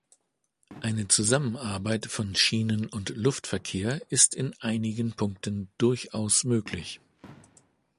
Eine Zusammenarbeit von Schienen- und Luftverkehr ist in einigen Punkten durchaus möglich.